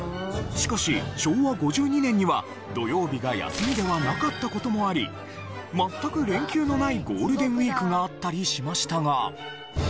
しかし昭和５２年には土曜日が休みではなかった事もあり全く連休のないゴールデンウィークがあったりしましたが。